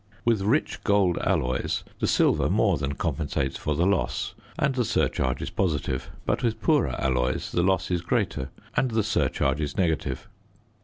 With rich gold alloys the silver more than compensates for the loss and the surcharge is positive; but with poorer alloys the loss is greater and the surcharge is negative.